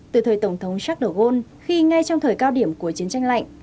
từ thời tổng thống jacques de gaulle khi ngay trong thời cao điểm của chiến tranh lạnh